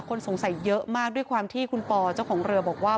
คนสงสัยเยอะมากด้วยความที่คุณปอเจ้าของเรือบอกว่า